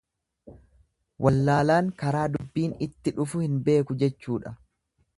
Wallaalaan karaa dubbiin itti dhufu hin beeku jechuudha.